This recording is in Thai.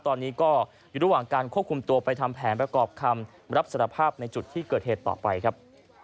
ตอนนี้ก็อยู่ระหว่างการควบคุมตัวไปทำแผนประกอบคำรับสารภาพในจุดที่เกิดเหตุต่อไปครับ